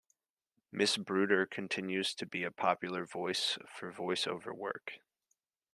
Miss Bruder continues to be a popular voice for voice-over work.